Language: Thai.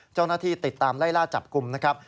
เจ้าหน้าที่ติดตามไล่ล่าจับกลุ่มนะครับ